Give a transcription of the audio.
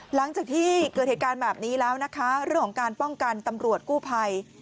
หลังจากที่เกิดเหตุการณ์แบบนี้แล้วนะคะเรื่องของการป้องกันตำรวจกู้ภัย